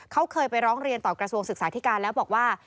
เขาเคยไปร้องเรียนต่อกระทรวงศึกษาธิการแล้วบอกว่า